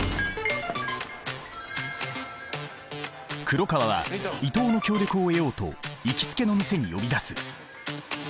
黒川は伊藤の協力を得ようと行きつけの店に呼び出す。